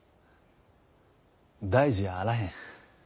大事あらへん。